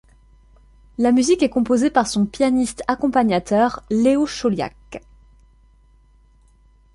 La musique est composée par son pianiste accompagnateur Léo Chauliac.